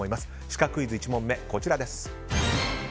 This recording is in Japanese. シカクイズ、１問目です。